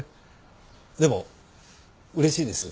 でもうれしいです。